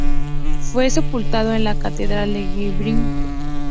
Fue sepultado en la Catedral de Freiberg.